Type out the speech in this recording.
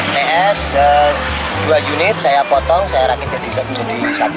ts dua unit saya potong saya rakit jadi satu